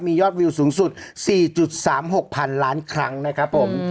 มียอดวิวสูงสุด๔๓๖๐๐๐ล้านครั้งนะครับผม